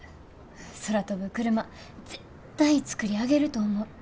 空飛ぶクルマ絶対作り上げると思う。